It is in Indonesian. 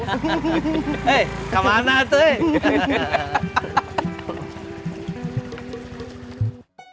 eh kemana tuh